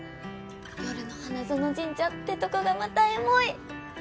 夜の花園神社ってとこがまたエモい！